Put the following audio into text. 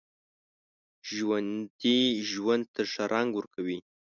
ژوندي ژوند ته ښه رنګ ورکوي